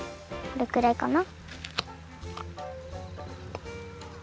これくらいかな？